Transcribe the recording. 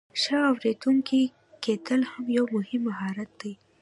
ښه اوریدونکی کیدل هم یو مهم مهارت دی.